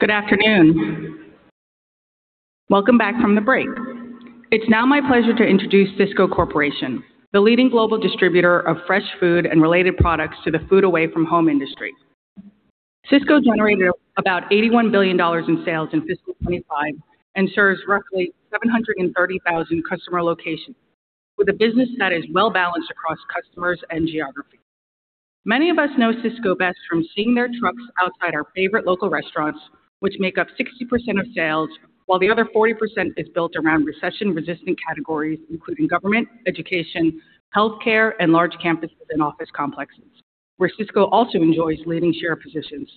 Good afternoon. Welcome back from the break. It's now my pleasure to introduce Sysco Corporation, the leading global distributor of fresh food and related products to the food away from home industry. Sysco generated about $81 billion in sales in fiscal 2025 and serves roughly 730,000 customer locations, with a business that is well-balanced across customers and geography. Many of us know Sysco best from seeing their trucks outside our favorite local restaurants, which make up 60% of sales, while the other 40% is built around recession-resistant categories, including government, education, healthcare, and large campuses and office complexes, where Sysco also enjoys leading share positions.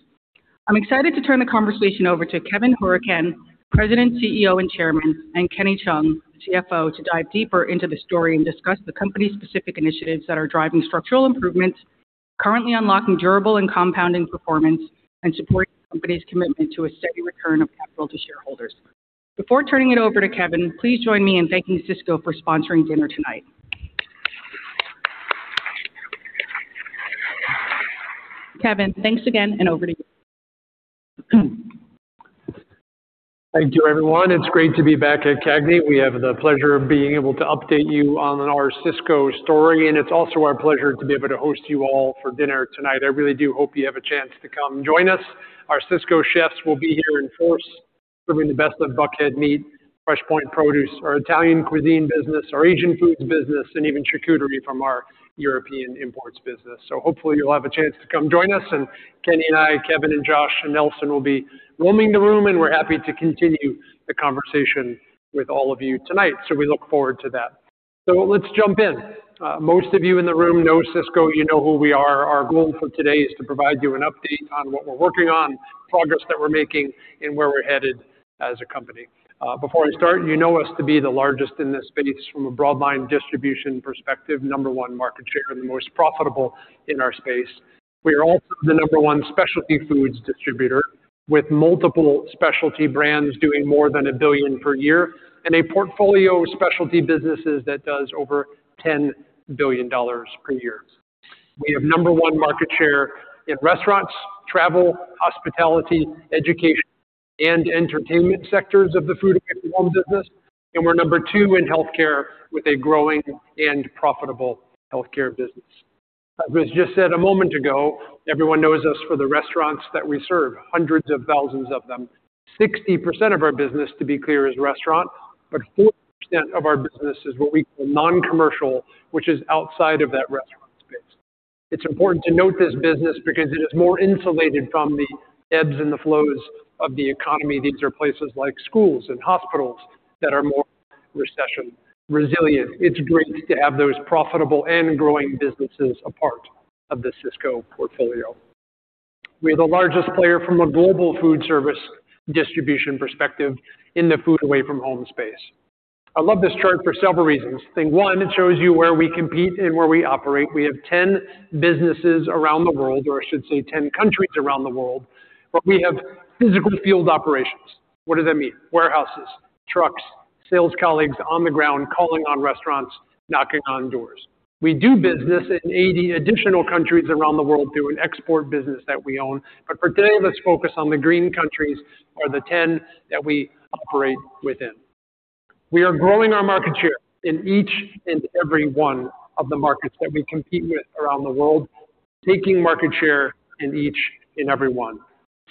I'm excited to turn the conversation over to Kevin Hourican, President, CEO, and Chairman, and Kenny Cheung, CFO, to dive deeper into the story and discuss the company's specific initiatives that are driving structural improvements, currently unlocking durable and compounding performance, and supporting the company's commitment to a steady return of capital to shareholders. Before turning it over to Kevin, please join me in thanking Sysco for sponsoring dinner tonight. Kevin, thanks again, and over to you. Thank you, everyone. It's great to be back at CAGNY. We have the pleasure of being able to update you on our Sysco story, and it's also our pleasure to be able to host you all for dinner tonight. I really do hope you have a chance to come join us. Our Sysco chefs will be here in force, serving the best of Buckhead Meat, FreshPoint produce, our Italian cuisine business, our Asian foods business, and even charcuterie from our European imports business. So hopefully you'll have a chance to come join us, and Kenny and I, Kevin and Josh and Nelson will be roaming the room, and we're happy to continue the conversation with all of you tonight. So we look forward to that. So let's jump in. Most of you in the room know Sysco. You know who we are. Our goal for today is to provide you an update on what we're working on, progress that we're making, and where we're headed as a company. Before I start, you know us to be the largest in this space from a broadline distribution perspective, number one market share, and the most profitable in our space. We are also the number one specialty foods distributor, with multiple specialty brands doing more than $1 billion per year and a portfolio of specialty businesses that does over $10 billion per year. We have number one market share in Restaurants, Travel, Hospitality, Education, and Entertainment sectors of the food away from home business, and we're number two in Healthcare with a growing and profitable healthcare business. As was just said a moment ago, everyone knows us for the restaurants that we serve, hundreds of thousands of them. 60% of our business, to be clear, is restaurant, but 40% of our business is what we call Non-Commercial, which is outside of that restaurant space. It's important to note this business because it is more insulated from the ebbs and the flows of the economy. These are places like schools and hospitals that are more recession resilient. It's great to have those profitable and growing businesses a part of the Sysco portfolio. We're the largest player from a global food service distribution perspective in the Food Away from Home space. I love this chart for several reasons. Thing one, it shows you where we compete and where we operate. We have 10 businesses around the world, or I should say 10 countries around the world, but we have physical field operations. What does that mean? Warehouses, trucks, sales colleagues on the ground, calling on restaurants, knocking on doors. We do business in 80 additional countries around the world through an export business that we own. But for today, let's focus on the green countries are the 10 that we operate within. We are growing our market share in each and every one of the markets that we compete with around the world, taking market share in each and every one.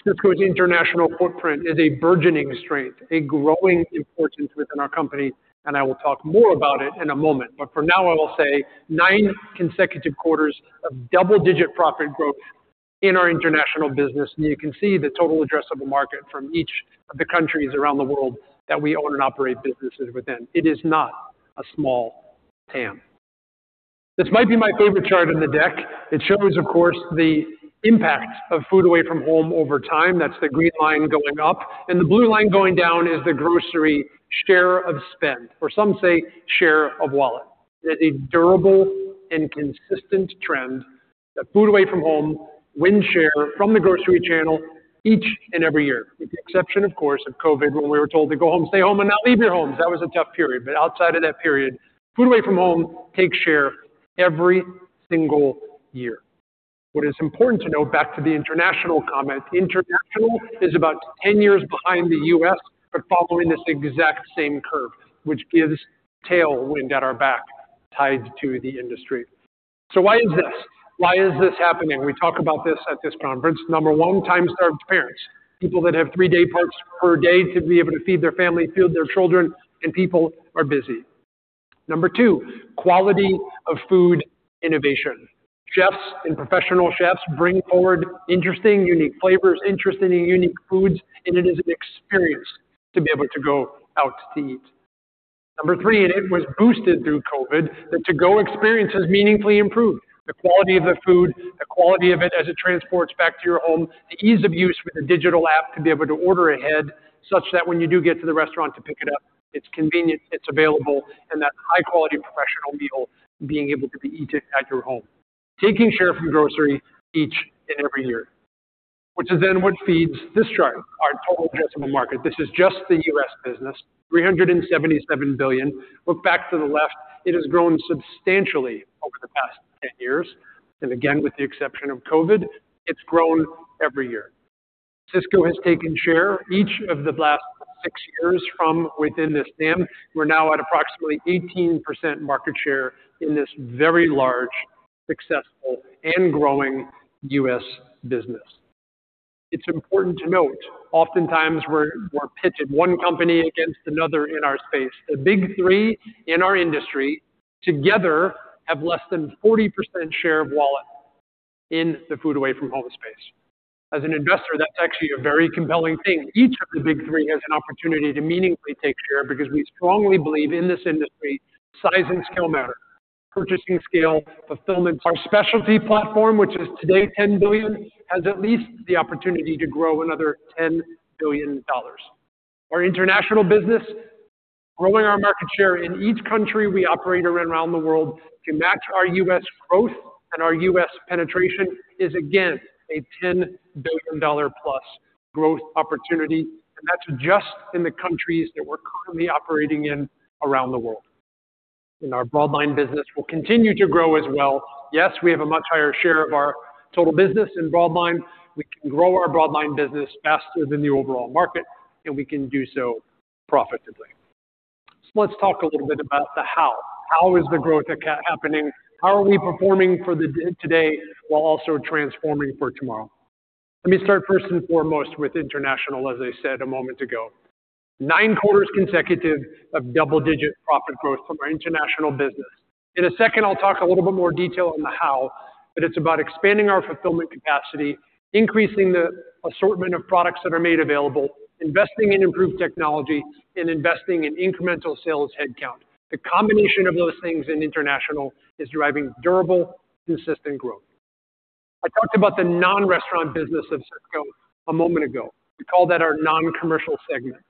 Sysco's international footprint is a burgeoning strength, a growing importance within our company, and I will talk more about it in a moment. But for now, I will say 9 consecutive quarters of double-digit profit growth in our international business, and you can see the total addressable market from each of the countries around the world that we own and operate businesses within. It is not a small TAM. This might be my favorite chart in the deck. It shows, of course, the impact of food away from home over time. That's the green line going up, and the blue line going down is the grocery share of spend, or some say, share of wallet. It's a durable and consistent trend that food away from home wins share from the grocery channel each and every year. With the exception, of course, of COVID, when we were told to go home, stay home, and not leave your homes. That was a tough period, but outside of that period, food away from home takes share every single year. What is important to note, back to the international comment, international is about 10 years behind the U.S., but following this exact same curve, which gives tailwind at our back tied to the industry. So why is this? Why is this happening? We talk about this at this conference. Number 1, time-starved parents, people that have 3-day parts per day to be able to feed their family, feed their children, and people are busy. Number 2, quality of food innovation. Chefs and professional chefs bring forward interesting, unique flavors, interesting and unique foods, and it is an experience to be able to go out to eat. Number 3, and it was boosted through COVID, the to-go experience has meaningfully improved. The quality of the food, the quality of it as it transports back to your home, the ease of use with a digital app to be able to order ahead, such that when you do get to the restaurant to pick it up, it's convenient, it's available, and that high-quality professional meal being able to be eaten at your home. Taking share from grocery each and every year, which is then what feeds this chart, our total addressable market. This is just the US business, $377 billion. Look back to the left. It has grown substantially the past 10 years, and again, with the exception of COVID, it's grown every year. Sysco has taken share each of the last six years from within this TAM. We're now at approximately 18% market share in this very large, successful, and growing US business. It's important to note, oftentimes we're pitching one company against another in our space. The big three in our industry together have less than 40% share of wallet in the food away from home space. As an investor, that's actually a very compelling thing. Each of the big three has an opportunity to meaningfully take share because we strongly believe in this industry, size and scale matter, purchasing scale, fulfillment. Our specialty platform, which is today $10 billion, has at least the opportunity to grow another $10 billion. Our international business, growing our market share in each country we operate around the world to match our US growth and our US penetration is again, a $10 billion-plus growth opportunity, and that's just in the countries that we're currently operating in around the world. And our broadline business will continue to grow as well. Yes, we have a much higher share of our total business in broadline. We can grow our broadline business faster than the overall market, and we can do so profitably. So let's talk a little bit about the how. How is the growth happening? How are we performing for the day, today, while also transforming for tomorrow? Let me start first and foremost with international as I said a moment ago. Nine quarters consecutive of double-digit profit growth from our international business. In a second, I'll talk a little bit more detail on the how, but it's about expanding our fulfillment capacity, increasing the assortment of products that are made available, investing in improved technology and investing in incremental sales headcount. The combination of those things in international is driving durable, consistent growth. I talked about the non-restaurant business of Sysco a moment ago. We call that our Non-Commercial Segment.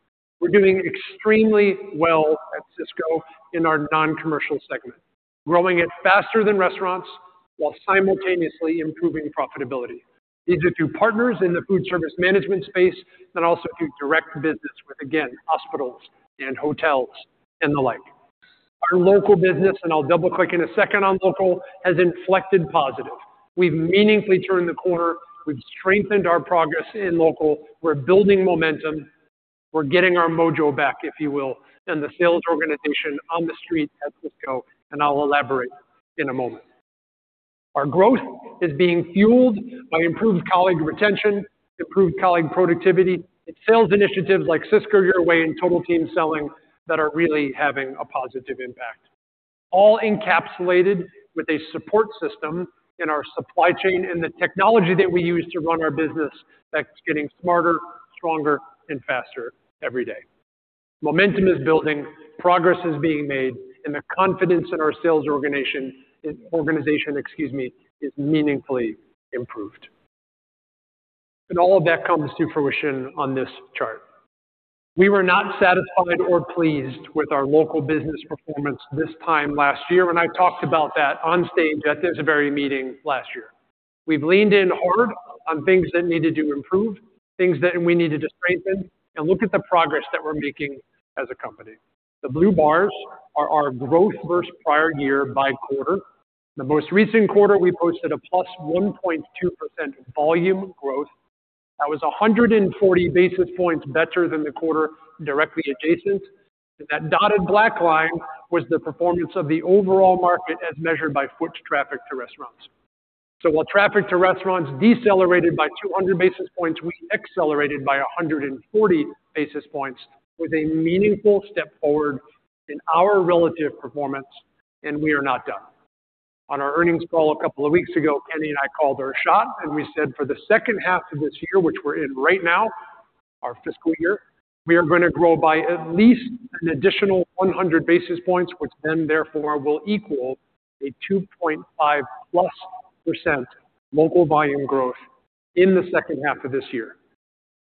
We're doing extremely well at Sysco in our Non-Commercial Segment, growing it faster than restaurants while simultaneously improving profitability, either through partners in the Food Service Management space, but also through direct business with, again, hospitals and hotels and the like. Our Local Business, and I'll double-click in a second on local, has inflected positive. We've meaningfully turned the corner. We've strengthened our progress in local. We're building momentum. We're getting our mojo back, if you will, and the sales organization on the street at Sysco, and I'll elaborate in a moment. Our growth is being fueled by improved colleague retention, improved colleague productivity, and sales initiatives like Sysco Your Way and Total Team Selling that are really having a positive impact. All encapsulated with a support system in our supply chain and the technology that we use to run our business, that's getting smarter, stronger, and faster every day. Momentum is building. Progress is being made, and the confidence in our sales organization, organization, excuse me, is meaningfully improved. All of that comes to fruition on this chart. We were not satisfied or pleased with our Local Business performance this time last year, and I talked about that on stage at this very meeting last year. We've leaned in hard on things that needed to improve, things that we needed to strengthen, and look at the progress that we're making as a company. The blue bars are our growth versus prior year by quarter. The most recent quarter, we posted a +1.2% volume growth. That was 140 basis points better than the quarter directly adjacent, and that dotted black line was the performance of the overall market as measured by foot traffic to restaurants. So while traffic to restaurants decelerated by 200 basis points, we accelerated by 140 basis points with a meaningful step forward in our relative performance, and we are not done. On our earnings call a couple of weeks ago, Kenny and I called our shot, and we said, for the second half of this year, which we're in right now, our fiscal year, we are going to grow by at least an additional 100 basis points, which then therefore will equal a 2.5%+ local volume growth in the second half of this year.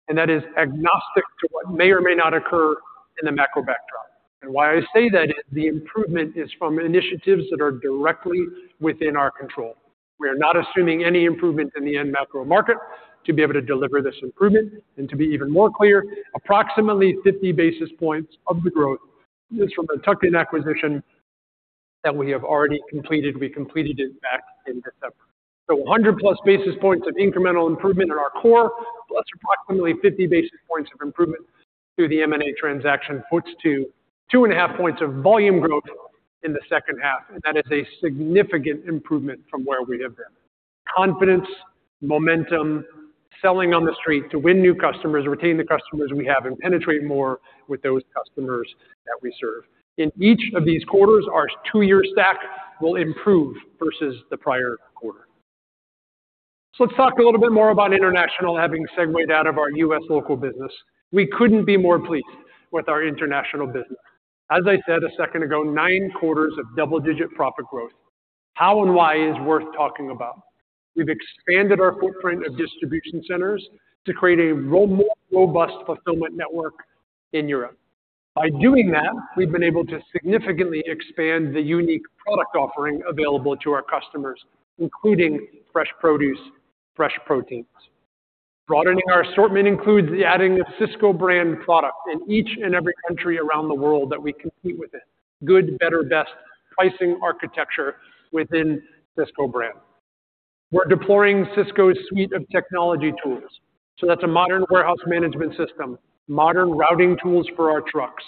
And that is agnostic to what may or may not occur in the macro backdrop. And why I say that is the improvement is from initiatives that are directly within our control. We are not assuming any improvement in the end macro market to be able to deliver this improvement and to be even more clear, approximately 50 basis points of the growth is from the Tuck-In acquisition that we have already completed. We completed it back in December. 100+ basis points of incremental improvement in our core, plus approximately 50 basis points of improvement through the M&A transaction, puts to 2.5 points of volume growth in the second half. That is a significant improvement from where we have been. Confidence, momentum, selling on the street to win new customers, retain the customers we have, and penetrate more with those customers that we serve. In each of these quarters, our 2-year stack will improve versus the prior quarter. Let's talk a little bit more about international, having segued out of our U.S. Local Business. We couldn't be more pleased with our International Business. As I said a second ago, 9 quarters of double-digit profit growth. How and why is worth talking about? We've expanded our footprint of distribution centers to create a more robust fulfillment network in Europe. By doing that, we've been able to significantly expand the unique product offering available to our customers, including fresh produce, fresh proteins. Broadening our assortment includes the adding of Sysco Brand product in each and every country around the world that we compete within. Good, better, best pricing architecture within Sysco Brand. We're deploying Sysco's suite of technology tools, so that's a modern warehouse management system, modern routing tools for our trucks,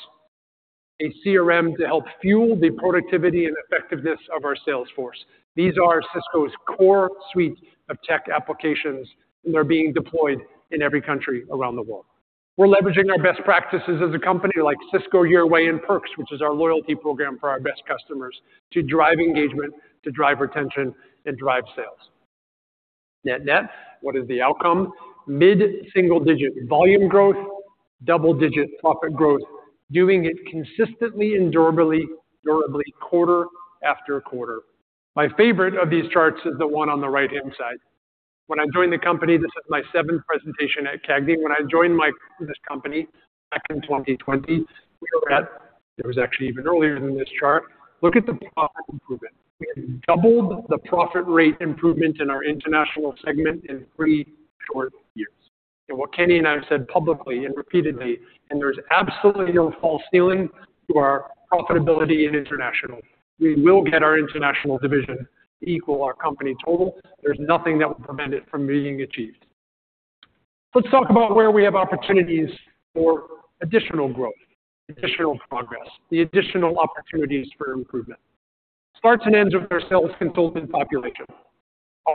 a CRM to help fuel the productivity and effectiveness of our sales force. These are Sysco's core suite of tech applications, and they're being deployed in every country around the world. We're leveraging our best practices as a company like Sysco Your Way and Perks, which is our loyalty program for our best customers, to drive engagement, to drive retention, and drive sales. Net-net, what is the outcome? Mid-single-digit volume growth, double-digit profit growth, doing it consistently and durably, durably, quarter after quarter. My favorite of these charts is the one on the right-hand side. When I joined the company, this is my seventh presentation at CAGNY. When I joined this company back in 2020, we were at. It was actually even earlier than this chart. Look at the profit improvement. We have doubled the profit rate improvement in our international segment in three short years. And what Kenny and I have said publicly and repeatedly, and there's absolutely no false ceiling to our profitability in International. We will get our International division to equal our company total. There's nothing that will prevent it from being achieved. Let's talk about where we have opportunities for additional growth, additional progress, the additional opportunities for improvement. Starts and ends with our sales consultant population.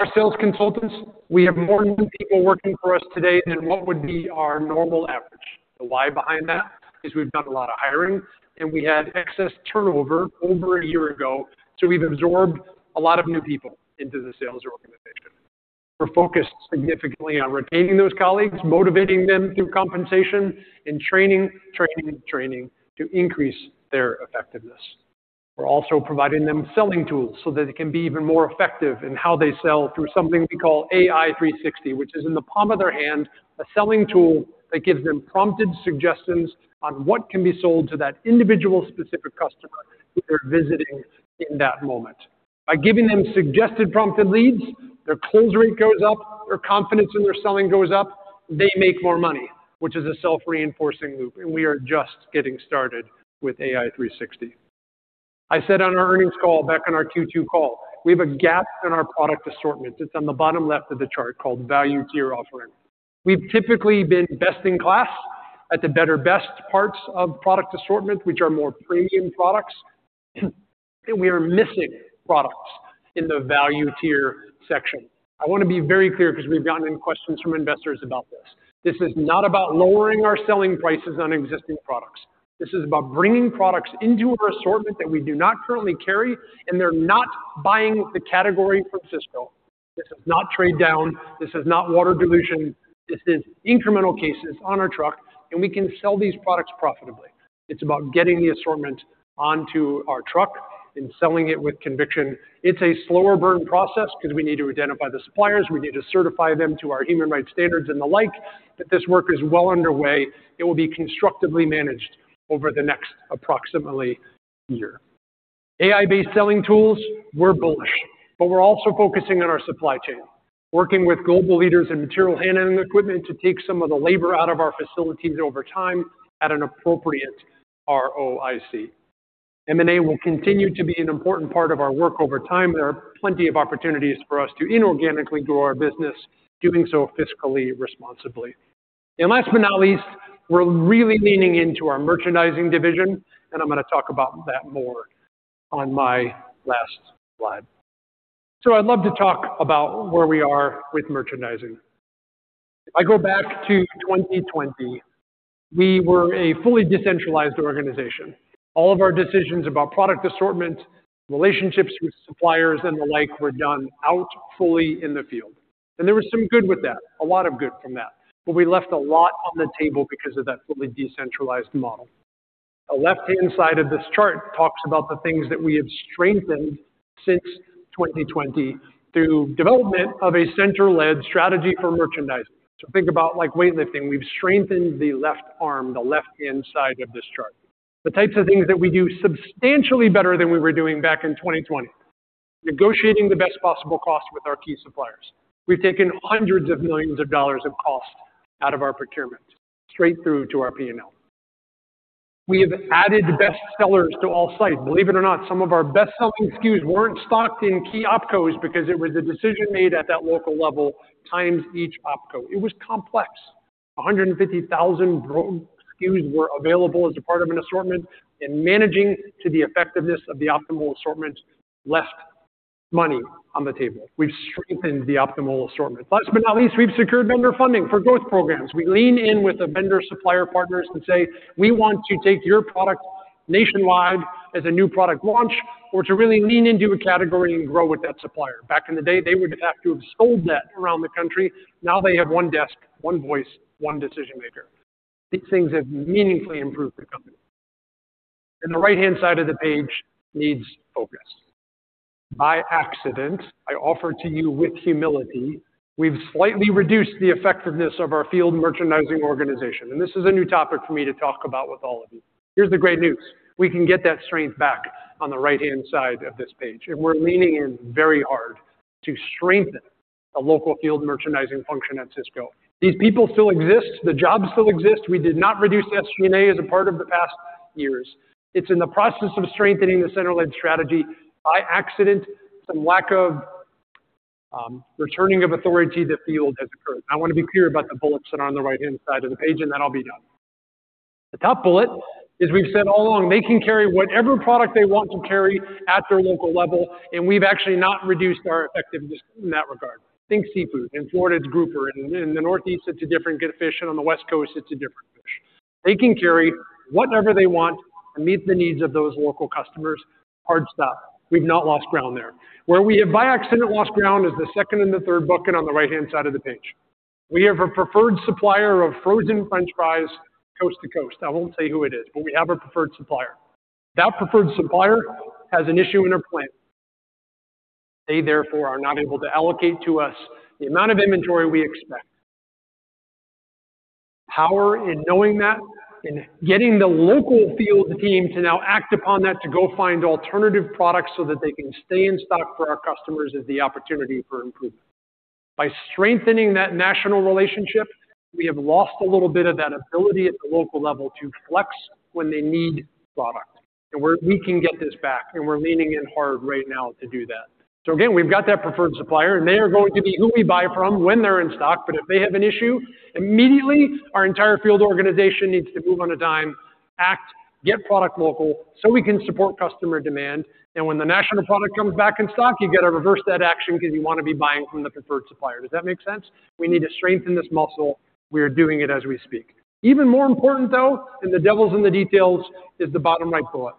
Our sales consultants, we have more new people working for us today than what would be our normal average. The why behind that is we've done a lot of hiring, and we had excess turnover over a year ago, so we've absorbed a lot of new people into the sales organization. We're focused significantly on retaining those colleagues, motivating them through compensation, and training, training, training to increase their effectiveness. We're also providing them selling tools so that they can be even more effective in how they sell through something we call AI 360, which is in the palm of their hand, a selling tool that gives them prompted suggestions on what can be sold to that individual specific customer who they're visiting in that moment. By giving them suggested prompted leads, their close rate goes up, their confidence in their selling goes up. They make more money, which is a self-reinforcing loop, and we are just getting started with AI 360. I said on our earnings call, back on our Q2 call, we have a gap in our product assortment. It's on the bottom left of the chart, called value tier offering. We've typically been best in class at the better, best parts of product assortment, which are more premium products, and we are missing products in the value tier section. I want to be very clear because we've gotten in questions from investors about this. This is not about lowering our selling prices on existing products. This is about bringing products into our assortment that we do not currently carry, and they're not buying the category from Sysco. This is not trade down, this is not water dilution, this is incremental cases on our truck, and we can sell these products profitably. It's about getting the assortment onto our truck and selling it with conviction. It's a slower burn process because we need to identify the suppliers, we need to certify them to our human rights standards and the like, but this work is well underway. It will be constructively managed over the next approximately year. AI-based selling tools, we're bullish, but we're also focusing on our supply chain, working with global leaders in material handling equipment to take some of the labor out of our facilities over time at an appropriate ROIC. M&A will continue to be an important part of our work over time. There are plenty of opportunities for us to inorganically grow our business, doing so fiscally, responsibly. Last but not least, we're really leaning into our Merchandising division, and I'm going to talk about that more on my last slide. I'd love to talk about where we are with Merchandising. If I go back to 2020, we were a fully decentralized organization. All of our decisions about product assortment, relationships with suppliers, and the like, were done out fully in the field. There was some good with that, a lot of good from that, but we left a lot on the table because of that fully decentralized model. The left-hand side of this chart talks about the things that we have strengthened since 2020 through development of a center-led strategy for merchandising. Think about like weightlifting. We've strengthened the left arm, the left-hand side of this chart. The types of things that we do substantially better than we were doing back in 2020, negotiating the best possible cost with our key suppliers. We've taken $hundreds of millions of cost out of our procurement, straight through to our P&L. We have added best sellers to all sites. Believe it or not, some of our best-selling SKUs weren't stocked in key OpCos because it was a decision made at that local level, times each OpCo. It was complex. 150,000 SKUs were available as a part of an assortment, and managing to the effectiveness of the optimal assortment left money on the table. We've strengthened the optimal assortment. Last but not least, we've secured vendor funding for growth programs. We lean in with the vendor supplier partners and say, "We want to take your product nationwide as a new product launch," or to really lean into a category and grow with that supplier. Back in the day, they would have to have sold that around the country. Now they have one desk, one voice, one decision maker. These things have meaningfully improved the company. And the right-hand side of the page needs focus. By accident, I offer to you with humility, we've slightly reduced the effectiveness of our field merchandising organization, and this is a new topic for me to talk about with all of you. Here's the great news: We can get that strength back on the right-hand side of this page, and we're leaning in very hard to strengthen it... a local field merchandising function at Sysco. These people still exist, the jobs still exist. We did not reduce SG&A as a part of the past years. It's in the process of strengthening the center-led strategy. By accident, some lack of, returning of authority to the field has occurred. I want to be clear about the bullets that are on the right-hand side of the page, and then I'll be done. The top bullet is we've said all along, they can carry whatever product they want to carry at their local level, and we've actually not reduced our effectiveness in that regard. Think seafood, in Florida, it's grouper, and in the Northeast, it's a different fish, and on the West Coast, it's a different fish. They can carry whatever they want and meet the needs of those local customers. Hard stop. We've not lost ground there. Where we have, by accident, lost ground is the second and the third bucket on the right-hand side of the page. We have a preferred supplier of frozen French fries coast to coast. I won't say who it is, but we have a preferred supplier. That preferred supplier has an issue in their plant. They, therefore, are not able to allocate to us the amount of inventory we expect. Power in knowing that and getting the local field team to now act upon that, to go find alternative products so that they can stay in stock for our customers, is the opportunity for improvement. By strengthening that national relationship, we have lost a little bit of that ability at the local level to flex when they need product. And we can get this back, and we're leaning in hard right now to do that. So again, we've got that preferred supplier, and they are going to be who we buy from when they're in stock, but if they have an issue, immediately, our entire field organization needs to move on a dime, act, get product local, so we can support customer demand. And when the national product comes back in stock, you got to reverse that action because you want to be buying from the preferred supplier. Does that make sense? We need to strengthen this muscle. We are doing it as we speak. Even more important, though, and the devil's in the details, is the bottom right bullet.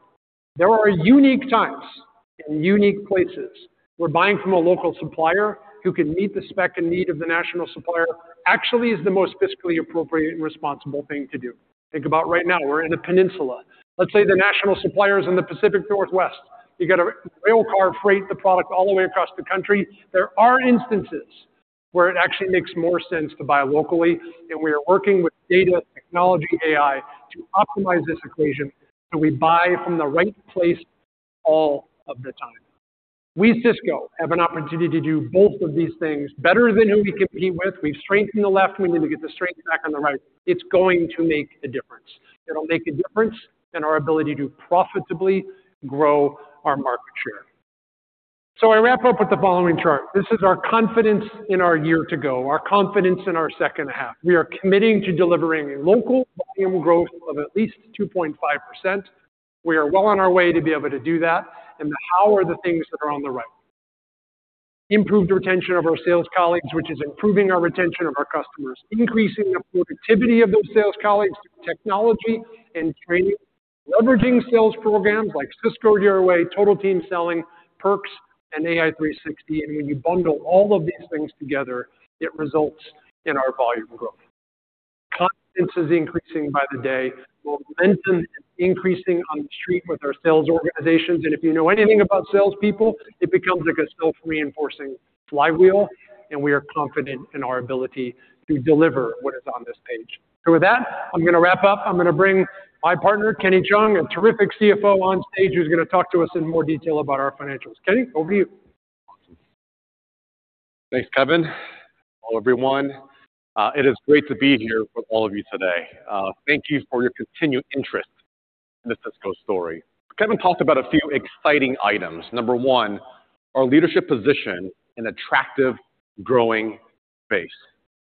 There are unique times and unique places where buying from a local supplier who can meet the spec and need of the national supplier actually is the most fiscally appropriate and responsible thing to do. Think about right now, we're in a peninsula. Let's say the national supplier is in the Pacific Northwest. You got to rail car freight the product all the way across the country. There are instances where it actually makes more sense to buy locally, and we are working with data, technology, AI to optimize this equation, so we buy from the right place all of the time. We, Sysco, have an opportunity to do both of these things better than who we compete with. We've strengthened the left, we need to get the strength back on the right. It's going to make a difference. It'll make a difference in our ability to profitably grow our market share. So I wrap up with the following chart. This is our confidence in our year to go, our confidence in our second half. We are committing to delivering local volume growth of at least 2.5%. We are well on our way to be able to do that, and the how are the things that are on the right. Improved retention of our sales colleagues, which is improving our retention of our customers, increasing the productivity of those sales colleagues through technology and training, leveraging sales programs like Sysco Your Way, Total Team Selling, Perks, and AI 360. And when you bundle all of these things together, it results in our volume growth. Confidence is increasing by the day. Momentum is increasing on the street with our sales organizations, and if you know anything about salespeople, it becomes a good self-reinforcing flywheel, and we are confident in our ability to deliver what is on this page. So with that, I'm going to wrap up. I'm going to bring my partner, Kenny Cheung, a terrific CFO on stage, who's going to talk to us in more detail about our financials. Kenny, over to you. Thanks, Kevin. Hello, everyone. It is great to be here with all of you today. Thank you for your continued interest in the Sysco story. Kevin talked about a few exciting items. Number one, our leadership position in attractive, growing space.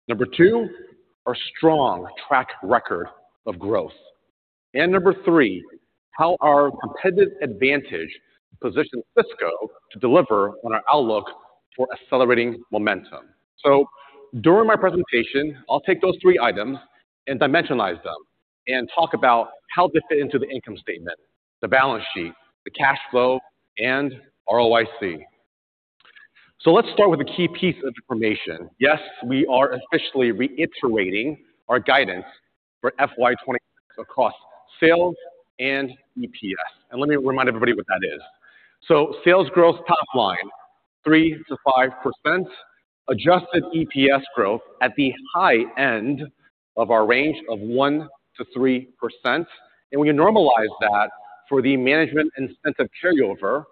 Number two, our strong track record of growth. And number three, how our competitive advantage positions Sysco to deliver on our outlook for accelerating momentum. So during my presentation, I'll take those three items and dimensionalize them and talk about how they fit into the income statement, the balance sheet, the cash flow, and ROIC. So let's start with a key piece of information. Yes, we are officially reiterating our guidance for FY 2026 across sales and EPS. And let me remind everybody what that is. So sales growth, top line, 3%-5%. Adjusted EPS growth at the high end of our range of 1%-3%. And when you normalize that for the management incentive carryover,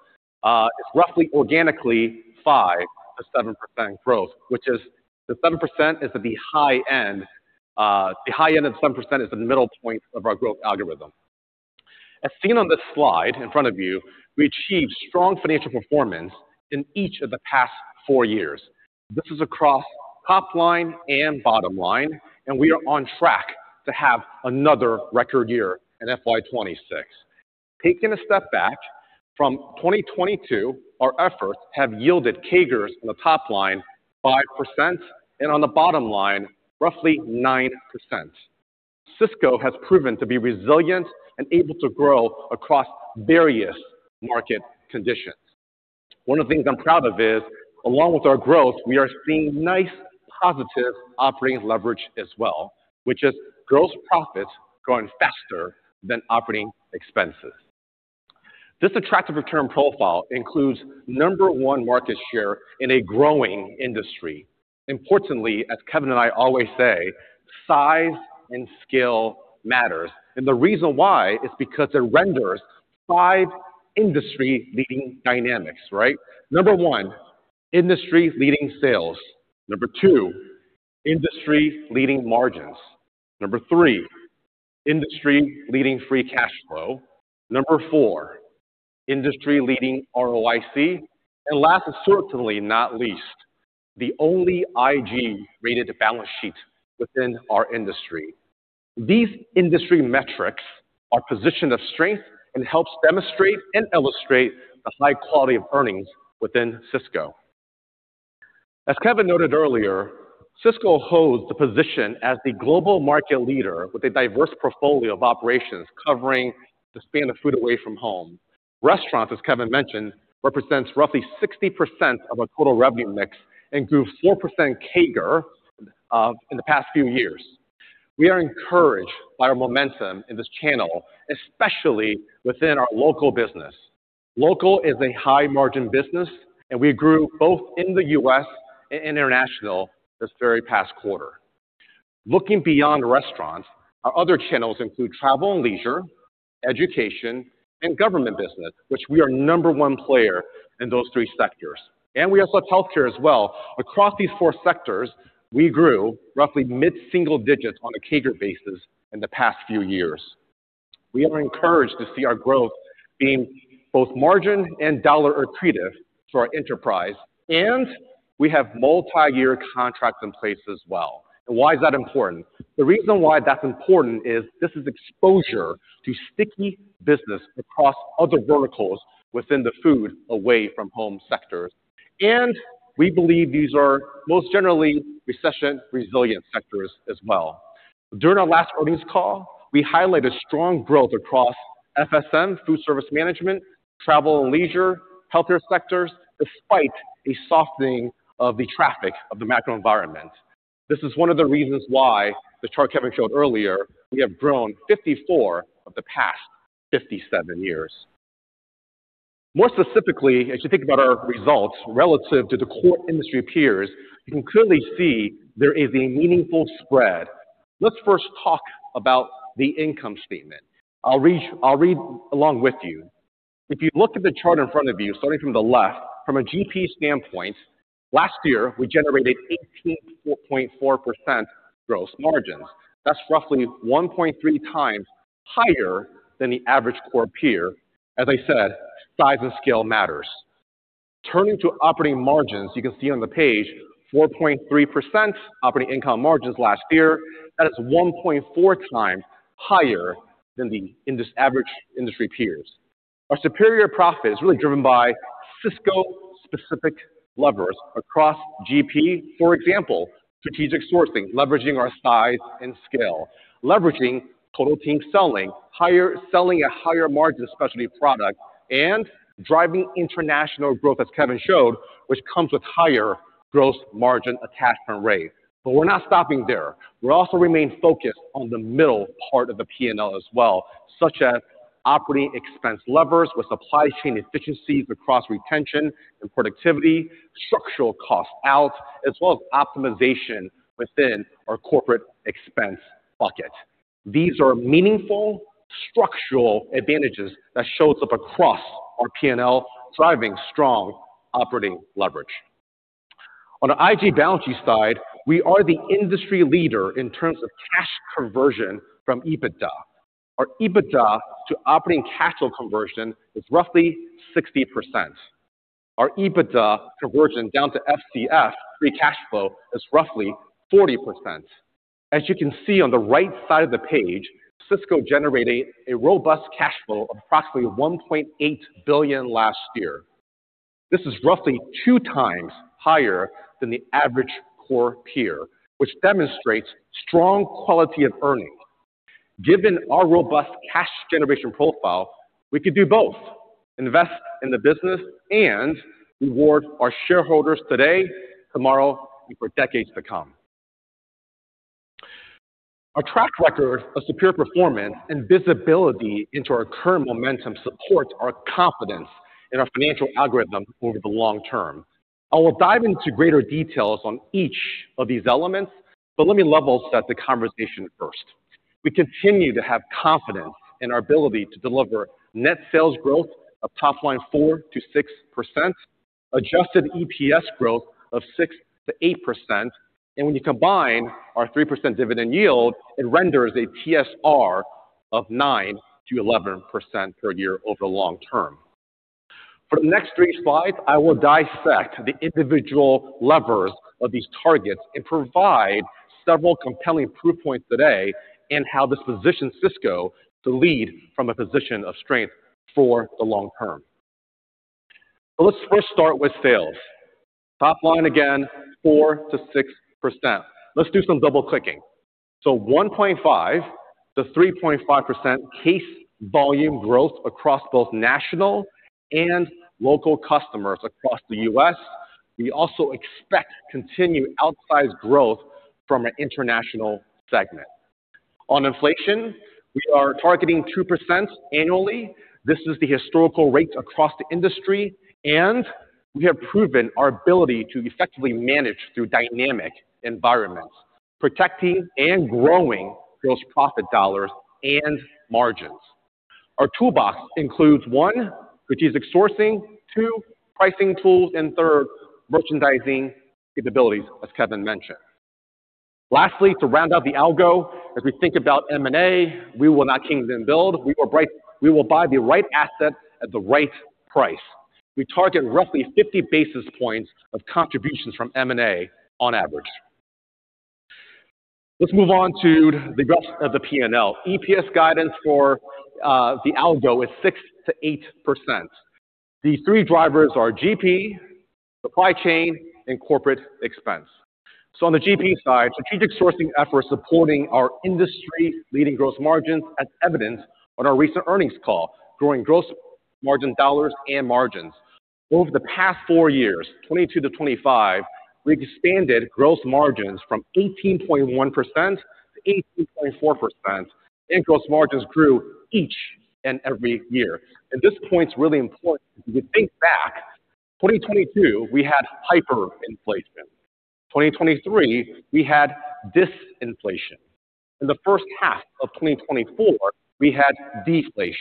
it's roughly organically 5%-7% growth, which is the 7% is at the high end, the high end of 7% is the middle point of our growth algorithm. As seen on this slide in front of you, we achieved strong financial performance in each of the past four years. This is across top line and bottom line, and we are on track to have another record year in FY 2026. Taking a step back, from 2022, our efforts have yielded CAGRs on the top line, 5%, and on the bottom line, roughly 9%. Sysco has proven to be resilient and able to grow across various market conditions. One of the things I'm proud of is, along with our growth, we are seeing nice, positive operating leverage as well, which is gross profits growing faster than operating expenses. This attractive return profile includes No. 1 market share in a growing industry. Importantly, as Kevin and I always say, size and scale matters, and the reason why is because it renders five industry-leading dynamics, right? No. 1, industry-leading sales. No. 2, industry-leading margins. No. 3, industry-leading Free Cash Flow. No. 4, industry-leading ROIC. And last, and certainly not least, the only IG-rated balance sheet within our industry. These industry metrics are a position of strength and help demonstrate and illustrate a high quality of earnings within Sysco. As Kevin noted earlier, Sysco holds the position as the global market leader with a diverse portfolio of operations covering the span of food away from home. Restaurants, as Kevin mentioned, represents roughly 60% of our total revenue mix and grew 4% CAGR in the past few years. We are encouraged by our momentum in this channel, especially within our Local Business. Local Business is a high-margin business, and we grew both in the U.S. and international this very past quarter. Looking beyond Restaurants, our other channels include Travel & Leisure, Education, and Government business, which we are number one player in those three sectors, and we also have Healthcare as well. Across these four sectors, we grew roughly mid-single digits on a CAGR basis in the past few years. We are encouraged to see our growth being both margin and dollar accretive to our enterprise, and we have multi-year contracts in place as well. And why is that important? The reason why that's important is this is exposure to sticky business across other verticals within the Food Away from Home sectors, and we believe these are most generally recession-resilient sectors as well. During our last earnings call, we highlighted strong growth across FSM, Food Service Management, Travel & Leisure, Healthcare sectors, despite a softening of the traffic of the macro environment. This is one of the reasons why the chart Kevin showed earlier, we have grown 54 of the past 57 years. More specifically, as you think about our results relative to the core industry peers, you can clearly see there is a meaningful spread. Let's first talk about the income statement. I'll read along with you. If you look at the chart in front of you, starting from the left, from a GP standpoint, last year, we generated 18.4% gross margins. That's roughly 1.3 times higher than the average core peer. As I said, size and scale matters. Turning to operating margins, you can see on the page 4.3% operating income margins last year. That is 1.4 times higher than the industry average industry peers. Our superior profit is really driven by Sysco-specific levers across GP. For example, strategic sourcing, leveraging our size and scale, leveraging Total Team Selling, higher selling a higher margin specialty product, and driving international growth, as Kevin showed, which comes with higher gross margin attachment rate. But we're not stopping there. We also remain focused on the middle part of the P&L as well, such as operating expense levers with supply chain efficiencies across retention and productivity, structural cost out, as well as optimization within our corporate expense bucket. These are meaningful structural advantages that shows up across our P&L, driving strong operating leverage. On the IG balance sheet side, we are the industry leader in terms of cash conversion from EBITDA. Our EBITDA to operating cash flow conversion is roughly 60%. Our EBITDA conversion down to FCF, Free Cash Flow, is roughly 40%. As you can see on the right side of the page, Sysco generated a robust cash flow of approximately $1.8 billion last year. This is roughly 2 times higher than the average core peer, which demonstrates strong quality of earnings. Given our robust cash generation profile, we could do both: invest in the business and reward our shareholders today, tomorrow, and for decades to come. Our track record of superior performance and visibility into our current momentum supports our confidence in our financial algorithm over the long term. I will dive into greater details on each of these elements, but let me level set the conversation first. We continue to have confidence in our ability to deliver net sales growth of top line 4%-6%, adjusted EPS growth of 6%-8%, and when you combine our 3% dividend yield, it renders a TSR of 9%-11% per year over the long term. For the next three slides, I will dissect the individual levers of these targets and provide several compelling proof points today in how this positions Sysco to lead from a position of strength for the long term. So let's first start with sales. Top line, again, 4%-6%. Let's do some double-clicking. So 1.5%-3.5% case volume growth across both national and local customers across the U.S. We also expect continued outsized growth from an international segment. On inflation, we are targeting 2% annually. This is the historical rate across the industry, and we have proven our ability to effectively manage through dynamic environments, protecting and growing gross profit dollars and margins. Our toolbox includes one, strategic sourcing, two, pricing tools, and third, merchandising capabilities, as Kevin mentioned. Lastly, to round out the algo, as we think about M&A, we will not king then build. We will buy-- we will buy the right asset at the right price. We target roughly 50 basis points of contributions from M&A on average. Let's move on to the rest of the PNL. EPS guidance for the algo is 6%-8%. The three drivers are GP, supply chain, and corporate expense. So on the GP side, strategic sourcing efforts supporting our industry-leading gross margins, as evidenced on our recent earnings call, growing gross margin dollars and margins. Over the past four years, 2022-2025, we expanded gross margins from 18.1% to 18.4%, and gross margins grew each and every year. This point is really important. If you think back, 2022, we had hyperinflation. 2023, we had disinflation. In the first half of 2024, we had deflation.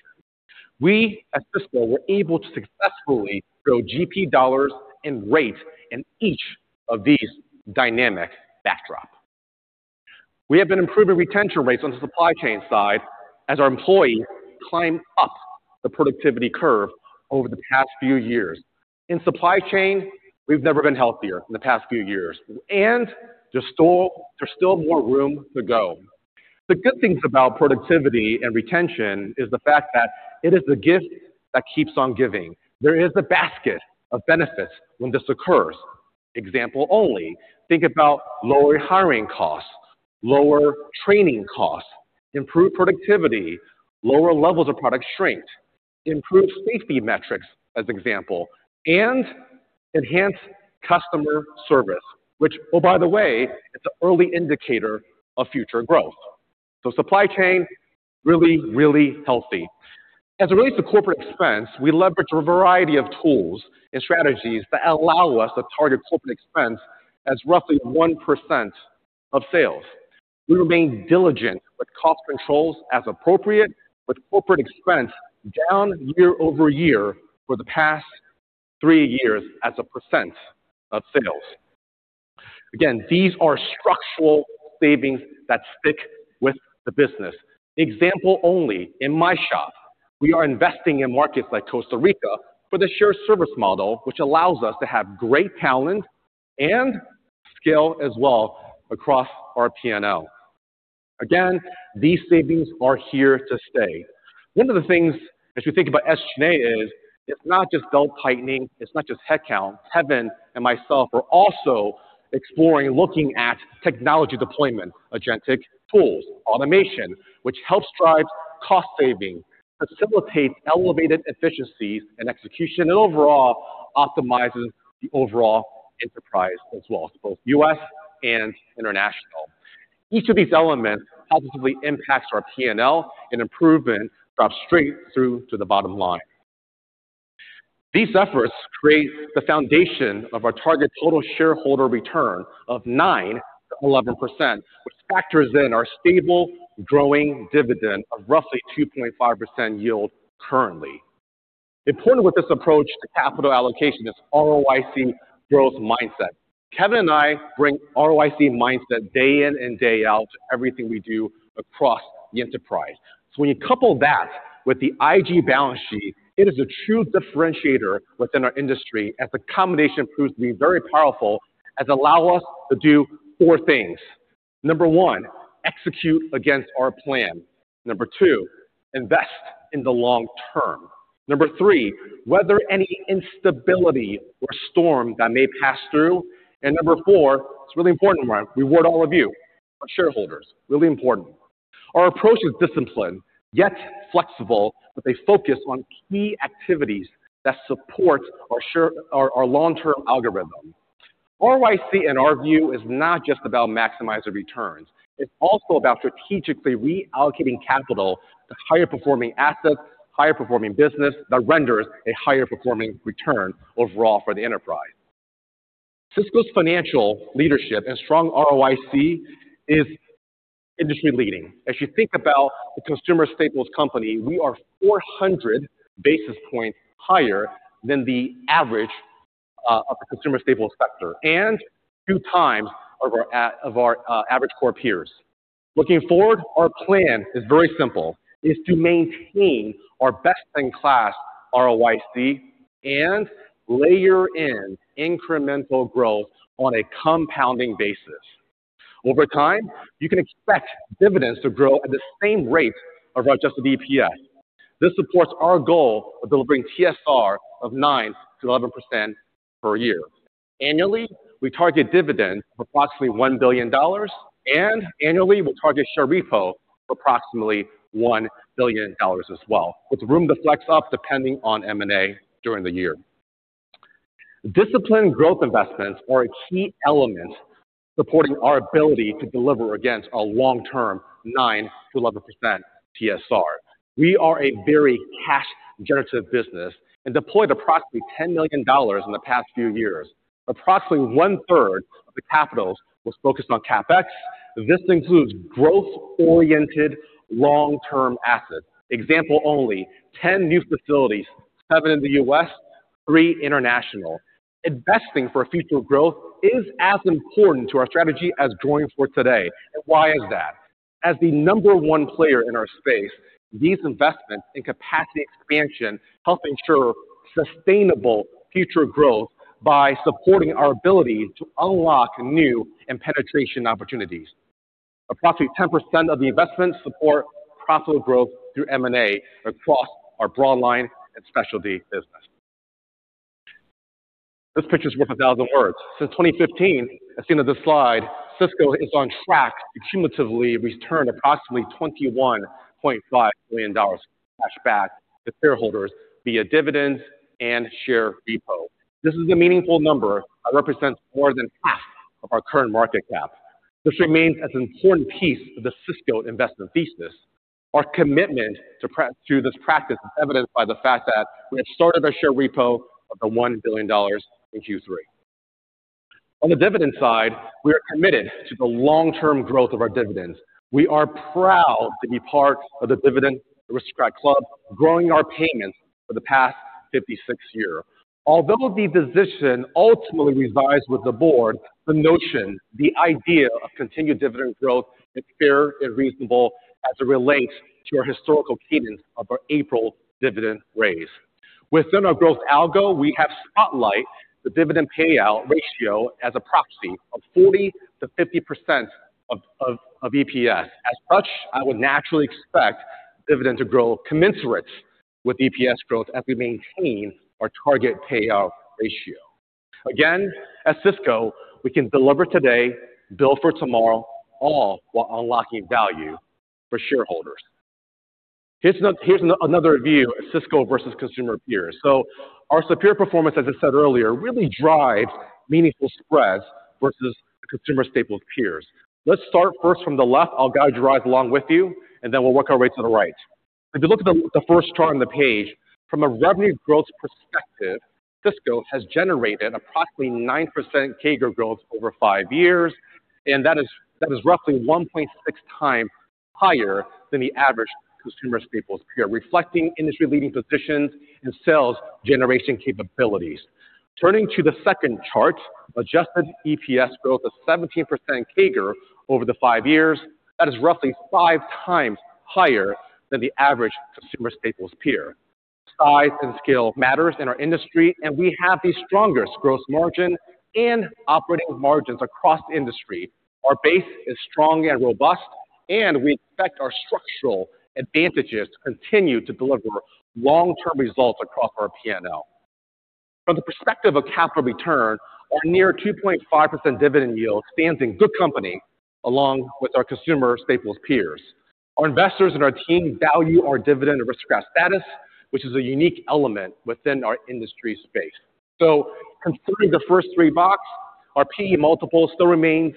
We, at Sysco, were able to successfully grow GP dollars and rates in each of these dynamic backdrops. We have been improving retention rates on the supply chain side as our employees climb up the productivity curve over the past few years. In supply chain, we've never been healthier in the past few years, and there's still, there's still more room to go. The good things about productivity and retention is the fact that it is the gift that keeps on giving. There is a basket of benefits when this occurs. Example only, think about lower hiring costs, lower training costs, improved productivity, lower levels of product shrink, improved safety metrics, as an example, and enhanced customer service, which, oh, by the way, it's an early indicator of future growth. So supply chain, really, really healthy. As it relates to corporate expense, we leverage a variety of tools and strategies that allow us to target corporate expense as roughly 1% of sales. We remain diligent with cost controls as appropriate, with corporate expense down year-over-year for the past 3 years as a % of sales. Again, these are structural savings that stick with the business. Example only, in my shop, we are investing in markets like Costa Rica for the shared service model, which allows us to have great talent and scale as well across our PNL. Again, these savings are here to stay. One of the things as we think about SG&A is, it's not just belt-tightening, it's not just headcount. Kevin and myself are also exploring, looking at technology deployment, agentic tools, automation, which helps drive cost saving, facilitates elevated efficiency and execution, and overall optimizes the overall enterprise as well, both U.S. and international. Each of these elements positively impacts our PNL, and improvement drops straight through to the bottom line. These efforts create the foundation of our target total shareholder return of 9%-11%, which factors in our stable, growing dividend of roughly 2.5% yield currently. Important with this approach to capital allocation is ROIC growth mindset. Kevin and I bring ROIC mindset day in and day out to everything we do across the enterprise. So when you couple that with the IG balance sheet, it is a true differentiator within our industry, as the combination proves to be very powerful and allow us to do 4 things. Number 1, execute against our plan. Number 2, invest in the long term. Number 3, weather any instability or storm that may pass through. And number 4, it's really important, reward all of you, our shareholders. Really important. Our approach is disciplined, yet flexible, but they focus on key activities that support our long-term algorithm. ROIC, in our view, is not just about maximizing returns. It's also about strategically reallocating capital to higher-performing assets, higher-performing business, that renders a higher-performing return overall for the enterprise. Sysco's financial leadership and strong ROIC is industry-leading. As you think about the consumer staples company, we are 400 basis points higher than the average, of the consumer staples sector, and two times of our average core peers. Looking forward, our plan is very simple, to maintain our best-in-class ROIC and layer in incremental growth on a compounding basis. Over time, you can expect dividends to grow at the same rate of adjusted EPS. This supports our goal of delivering TSR of 9%-11% per year. Annually, we target dividend of approximately $1 billion, and annually, we target share repo of approximately $1 billion as well, with room to flex up depending on M&A during the year. Disciplined growth investments are a key element supporting our ability to deliver against our long-term 9%-11% TSR. We are a very cash-generative business and deployed approximately $10 million in the past few years. Approximately one-third of the capital was focused on CapEx. This includes growth-oriented, long-term assets. Example only, 10 new facilities, 7 in the U.S., 3 International. Investing for future growth is as important to our strategy as drawing for today. And why is that? As the number one player in our space, these investments in Capacity Expansion help ensure sustainable future growth by supporting our ability to unlock new and penetration opportunities. Approximately 10% of the investments support profitable growth through M&A across our broad line and specialty business. This picture is worth a thousand words. Since 2015, as seen on this slide, Sysco is on track to cumulatively return approximately $21.5 billion cash back to shareholders via dividends and share repo. This is a meaningful number that represents more than half of our current market cap. This remains an important piece of the Sysco investment thesis. Our commitment to this practice is evidenced by the fact that we have started our share repo of $1 billion in Q3. On the dividend side, we are committed to the long-term growth of our dividends. We are proud to be part of the Dividend Aristocrat club, growing our payments for the past 56 years. Although the decision ultimately resides with the board, the notion, the idea of continued dividend growth is fair and reasonable as it relates to our historical cadence of our April dividend raise. Within our growth algo, we have spotlight the dividend payout ratio as a proxy of 40%-50% of EPS. As such, I would naturally expect dividend to grow commensurate with EPS growth as we maintain our target payout ratio. Again, at Sysco, we can deliver today, build for tomorrow, all while unlocking value for shareholders. Here's another view of Sysco versus consumer peers. So our superior performance, as I said earlier, really drives meaningful spreads versus consumer staples peers. Let's start first from the left. I'll guide you right along with you, and then we'll work our way to the right. If you look at the first chart on the page, from a revenue growth perspective, Sysco has generated approximately 9% CAGR growth over five years, and that is roughly 1.6 times higher than the average consumer staples peer, reflecting industry-leading positions and sales generation capabilities. Turning to the second chart, adjusted EPS growth of 17% CAGR over the five years, that is roughly five times higher than the average consumer staples peer. Size and scale matters in our industry, and we have the strongest growth margin and operating margins across the industry. Our base is strong and robust, and we expect our structural advantages to continue to deliver long-term results across our PNL. From the perspective of capital return, our near 2.5% dividend yield stands in good company along with our consumer staples peers. Our investors and our team value our Dividend Aristocrat status, which is a unique element within our industry space. So considering the first three box, our P/E multiple still remains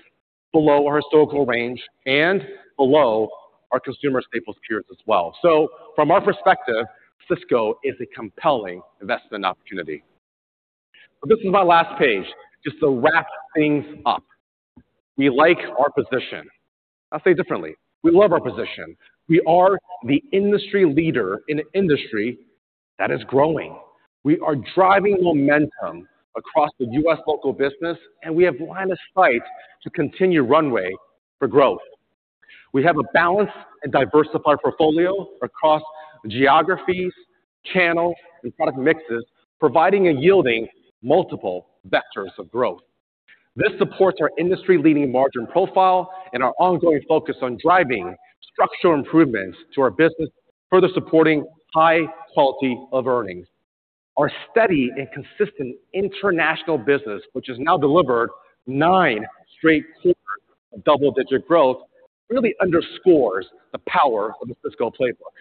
below our historical range and below our consumer staples peers as well. So from our perspective, Sysco is a compelling investment opportunity. This is my last page, just to wrap things up. We like our position. I'll say it differently. We love our position. We are the industry leader in an industry that is growing. We are driving momentum across the U.S. Local Business, and we have line of sight to continue runway for growth. We have a balanced and diversified portfolio across geographies, channels, and product mixes, providing and yielding multiple vectors of growth. This supports our industry-leading margin profile and our ongoing focus on driving structural improvements to our business, further supporting high quality of earnings. Our steady and consistent international business, which has now delivered nine straight quarters of double-digit growth, really underscores the power of the Sysco playbook.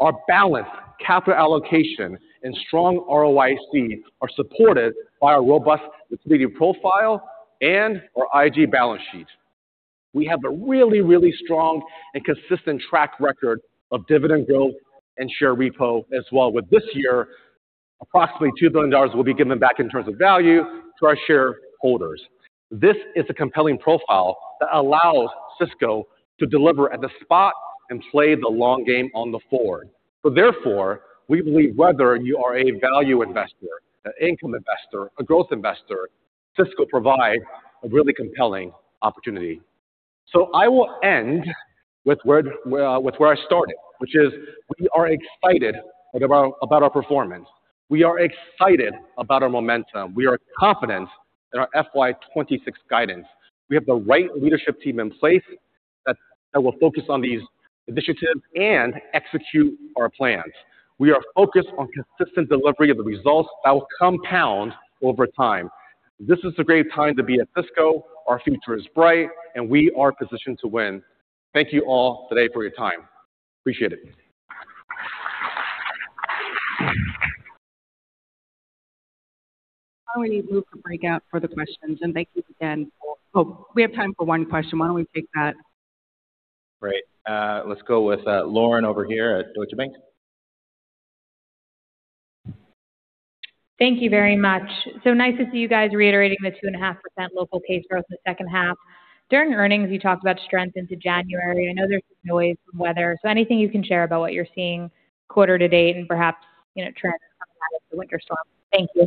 Our balanced capital allocation and strong ROIC are supported by our robust liquidity profile and our IG balance sheet. We have a really, really strong and consistent track record of dividend growth and share repurchases as well, with this year approximately $2 billion will be given back in terms of value to our shareholders. This is a compelling profile that allows Sysco to deliver at the spot and play the long game on the forward. So therefore, we believe whether you are a value investor, an income investor, a growth investor, Sysco provides a really compelling opportunity. So I will end with where, with where I started, which is we are excited about our performance. We are excited about our momentum. We are confident in our FY 2026 guidance. We have the right leadership team in place that will focus on these initiatives and execute our plans. We are focused on consistent delivery of the results that will compound over time. This is a great time to be at Sysco. Our future is bright, and we are positioned to win. Thank you all today for your time. Appreciate it. Now we need to move to break out for the questions, and thank you again. Oh, we have time for one question. Why don't we take that? Great. Let's go with Lauren over here at Deutsche Bank. Thank you very much. So nice to see you guys reiterating the 2.5% local case growth in the second half. During earnings, you talked about strength into January. I know there's noise from weather. So anything you can share about what you're seeing quarter to date and perhaps, you know, trends coming out of the winter storm? Thank you.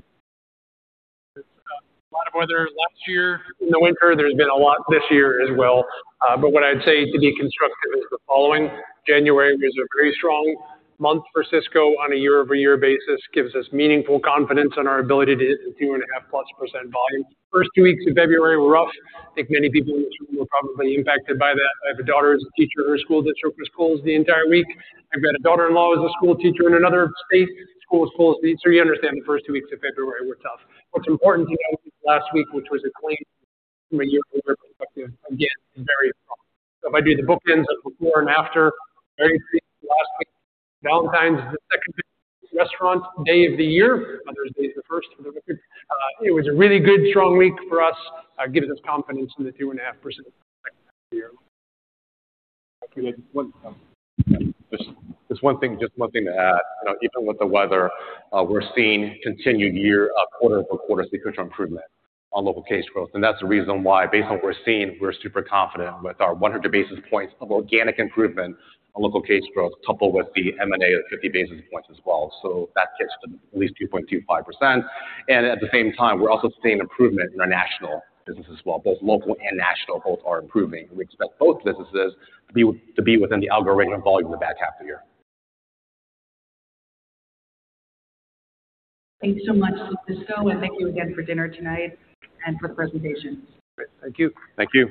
A lot of weather last year in the winter. There's been a lot this year as well. But what I'd say to be constructive is the following: January was a very strong month for Sysco on a year-over-year basis, gives us meaningful confidence in our ability to hit the 2.5%+ volume. First two weeks of February were rough. I think many people in this room were probably impacted by that. I have a daughter who's a teacher at her school that was closed the entire week. I've got a daughter-in-law, who's a school teacher in another state. School was closed, so you understand the first two weeks of February were tough. What's important to note, last week, which was a clean from a year-over-year perspective, again, very strong. So if I do the bookends of before and after, very last week. Valentine's is the second biggest restaurant day of the year. Mother's Day is the first. It was a really good strong week for us, gives us confidence in the 2.5% year. Just, just one thing, just one thing to add. You know, even with the weather, we're seeing continued year-over-year quarter-over-quarter sequential improvement on local case growth. And that's the reason why, based on what we're seeing, we're super confident with our 100 basis points of organic improvement on local case growth, coupled with the M&A at 50 basis points as well. So that gets to at least 2.25%. And at the same time, we're also seeing improvement in our national business as well. Both local and national, both are improving. We expect both businesses to be within the algorithm of volume in the back half of the year. Thanks so much, Sysco, and thank you again for dinner tonight and for the presentation. Great. Thank you. Thank you.